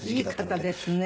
いい方ですね。